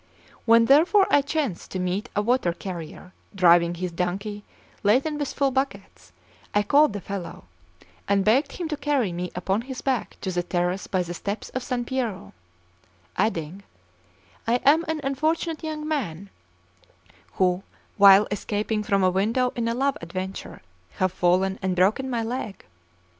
When therefore I chanced to meet a water carrier driving his donkey laden with full buckets, I called the fellow, and begged him to carry me upon his back to the terrace by the steps of San Piero, adding: "I am an unfortunate young man, who, while escaping from a window in a love adventure, have fallen and broken my leg.